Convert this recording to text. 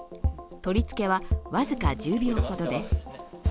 取り付けは僅か１０秒ほどです。